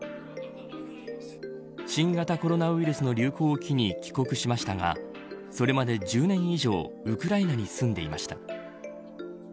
新型コロナウイルスの流行を機に帰国しましたがそれまで１０年以上ウクライナに住んでいました。